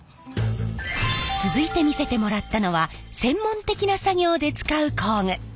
続いて見せてもらったのは専門的な作業で使う工具。